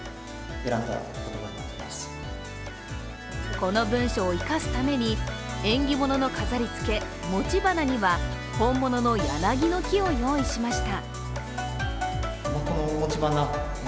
この文章を生かすために縁起物の飾りつけ餅花には、本物のやなぎの木を用意しました。